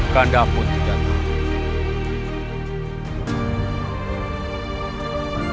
kanda pun tidak tahu